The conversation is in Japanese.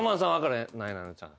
なえなのちゃん。